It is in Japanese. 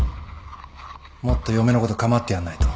もっと嫁のこと構ってやんないと。